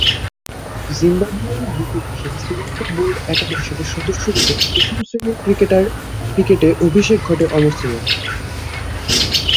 জিম্বাবুয়ের বিপক্ষে শ্রীলঙ্কা বোর্ড একাদশের সদস্যরূপে প্রথম-শ্রেণীর ক্রিকেটে অভিষেক ঘটে অমর সিংহের।